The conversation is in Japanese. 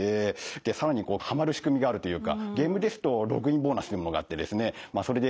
更にはまる仕組みがあるというかゲームですとログインボーナスっていうものがあってですね